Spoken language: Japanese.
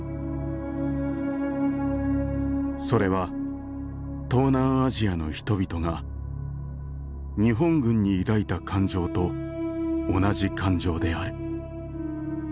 それは東南アジアの人々が日本軍に抱いた感情と同じ感情である。